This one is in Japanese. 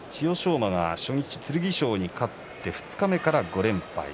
馬が初日剣翔に勝って二日目から５連敗。